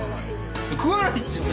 食わないっすよね？